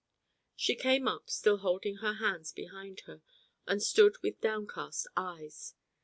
She came up, still holding her hands behind her, and stood with downcast eyes.